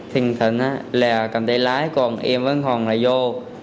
thành thần là cầm tay lái còn em vẫn còn là vô